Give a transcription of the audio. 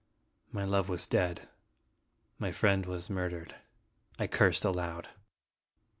My love was dead. My friend was murdered. I cursed aloud.